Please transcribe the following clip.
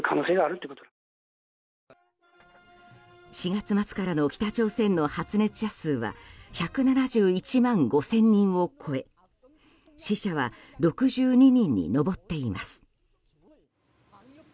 ４月末からの北朝鮮の発熱者数は１７１万５０００人を超え死者は６２人に上っています。